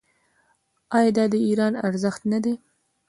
آیا دا د ایران ارزښت نه دی؟